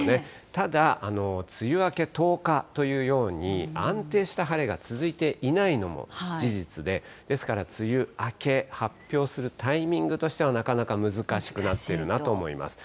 ただ、梅雨明け十日というように、安定した晴れが続いていないのも事実で、ですから、梅雨明け発表するタイミングとしては、なかなか難しくなってるなと思います。